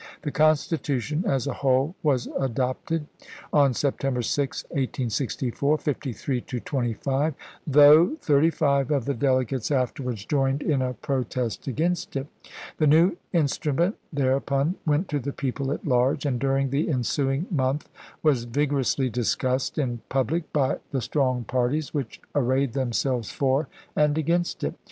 The Constitution, as a whole, was adopted on Sep tember 6, 1864, fifty three to twenty five ; though MAEYLAKD FKEE 467 thii'ty five of the delegates afterwards joined in a chap.xix. protest against it. The new instrument thereupon went to the people at large, and during the ensuing month was vigorously discussed in public by the strong parties which arrayed themselves for and against it.